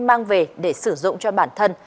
mang về để sử dụng cho bản thân